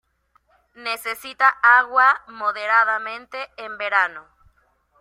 Necesita agua moderadamente en verano.